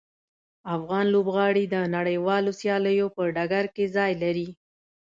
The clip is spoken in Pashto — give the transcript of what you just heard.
افغان لوبغاړي د نړیوالو سیالیو په ډګر کې ځای لري.